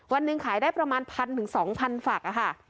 วันหนึ่งขายได้ประมาณพันถึงสองพันฝักอะค่ะ